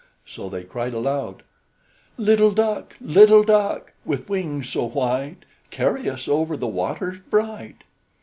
So they cried aloud: "Little duck, little duck, With wings so white, Carry us over The waters bright."